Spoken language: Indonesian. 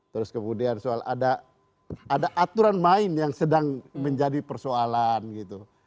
terus kemudian soal ada aturan main yang sedang menjadi persoalan gitu